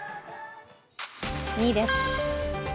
２位です。